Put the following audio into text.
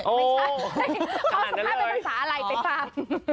ไม่ใช่สภาษาเป็นภาษาอะไรแต่กัน